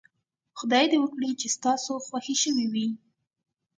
خدای دې وکړي چې ستاسو خوښې شوې وي.